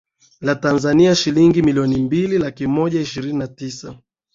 la Tanzania shilingi milioni mbili laki moja ishirini na tisa